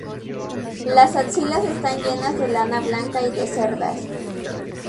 Las axilas están llenas de lana blanca y de cerdas.